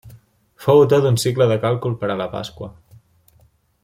Fou l'autor d'un cicle de càlcul per a la Pasqua.